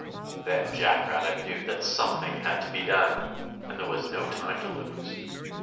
Then Jack Rabbit knew that something had to be done, and there was no time to lose.